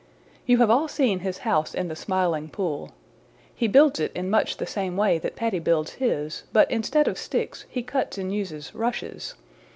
You have all seen his house in the Smiling Pool. He builds it in much the same way that Paddy builds his, but instead of sticks he cuts and uses rushes.